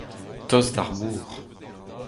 tost d'ar mor